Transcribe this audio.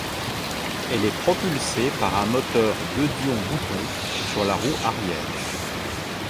Elle est propulsée par un moteur De Dion-Bouton sur la roue arrière.